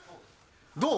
どう？